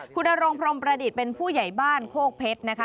คุณนรงพรมประดิษฐ์เป็นผู้ใหญ่บ้านโคกเพชรนะคะ